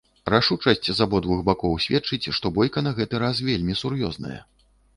Рашучасць з абодвух бакоў сведчыць, што бойка на гэты раз вельмі сур'ёзная.